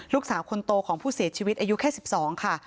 ลูกสาวคนโตของผู้เสียชีวิตอายุแค่๑๒ค่ะ